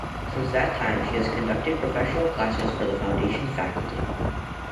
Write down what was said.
Since that time, she has conducted professional classes for the Foundation's faculty.